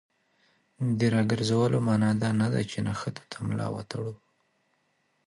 د راګرځولو معنا دا نه ده چې نښتو ته ملا وتړو.